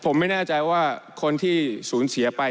ผมไม่แน่ใจว่าคนที่สูญเสียไป